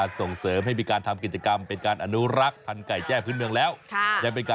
อันนั้นพี่ไก่พี่แจ้เดี๋ยวดูผ่อน